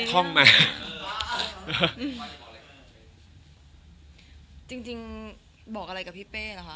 จริงบอกอะไรกับพี่เป๊ะหรือคะ